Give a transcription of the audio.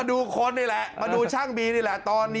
ดูโค้นนี่แหละ